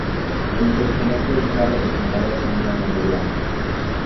El personaje está representado con una mano blanca.